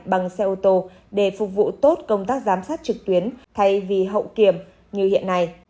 bằng xe ô tô để phục vụ tốt công tác giám sát trực tuyến thay vì hậu kiểm như hiện nay